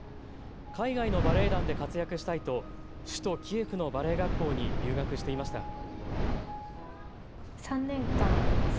海外のバレエ団で活躍したいと首都キエフのバレエ学校に留学していました。